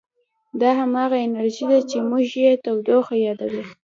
دا همغه انرژي ده چې موږ یې تودوخه یادوو.